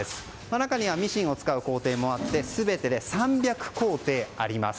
中にはミシンを使う工程もあって全てで３００工程あります。